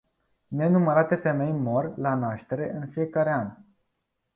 Nenumărate femei mor la naștere în fiecare an.